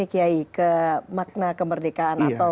ke makna kemerdekaan